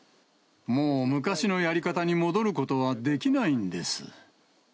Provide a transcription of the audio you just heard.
もう昔のやり方に戻ることはできないんです。